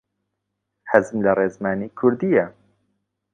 حەزم لە ڕێزمانی کوردییە.